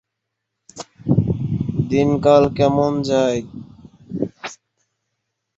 ভারত দীর্ঘ নিয়ন্ত্রণ রেখায় আত্মরক্ষামূলক অন্তরায় নির্মাণ করে।